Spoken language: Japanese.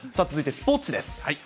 続いてスポーツ紙です。